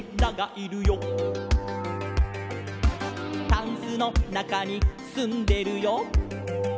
「タンスのなかにすんでるよ」